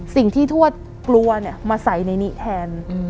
สิ่งที่ถวดกลัวมาใส่ในนี้แทน